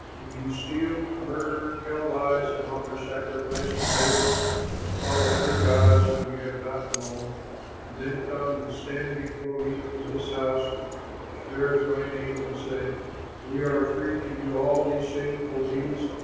Will you steal, murder, tell lies and offer sacrifice to Baal, and follow other gods whom you have not known, and then come and stand before me in this house which bears my name and say, We are free to do all these shameful deeds?